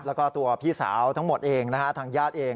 แล้วก็ตัวพี่สาวทั้งหมดเองนะฮะทางญาติเอง